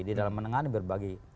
di dalam menengahkan berbagai